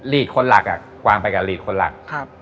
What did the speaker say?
คนหลักกวางไปกับลีดคนหลัก